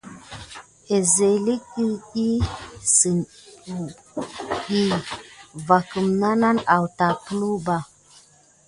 Əzelet ɗiyi kidi sine nà vakunà nane aouta puluba.